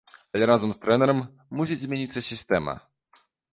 Але разам з трэнерам мусіць змяніцца сістэма.